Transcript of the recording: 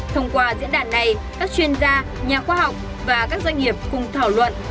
thông qua diễn đàn này các chuyên gia nhà khoa học và các doanh nghiệp cùng thảo luận